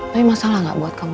tapi masalah gak buat kamu